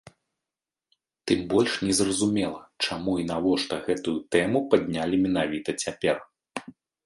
Тым больш не зразумела, чаму і навошта гэтую тэму паднялі менавіта цяпер?